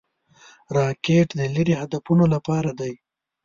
راکټ د لیرې هدفونو لپاره دی